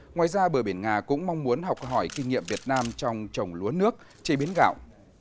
ngoài ra bờ biển nga cũng mong muốn học hỏi kinh nghiệm việt nam trong trồng lúa nước chế biến gạo